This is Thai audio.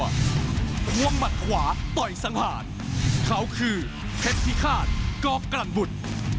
คว่องหมัดขวาต่อยสังหารเขาคือเผ็ดทิฆาตกรกรรมบุตร